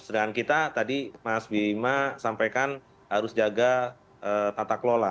dan kita tadi mas bima sampaikan harus jaga tata kelola